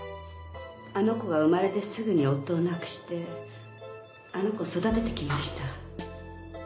あの子が生まれてすぐに夫を亡くしてあの子育ててきました。